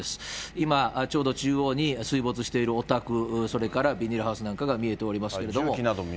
今、ちょうど中央に水没しているお宅、それからビニールハウスなんかが見えておりますけれども。